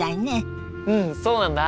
うんそうなんだ。